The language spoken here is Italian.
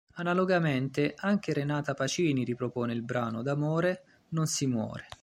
Analogamente, anche Renata Pacini ripropone il brano "D'amore non si muore".